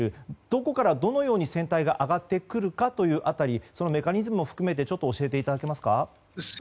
どこからどのように船体が揚がってくるかというそのメカニズムを含めて教えていただけますか。